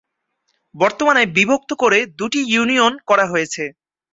বর্তমানে বিভক্ত করে দুটি ইউনিয়ন করা হয়েছে।